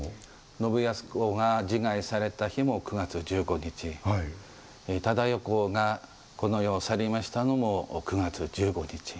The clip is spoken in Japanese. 信康公が自害された日も９月１５日、忠世公がこの世を去りましたのも９月１５日。